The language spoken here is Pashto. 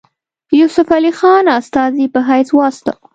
یوسف علي خان استازي په حیث واستاوه.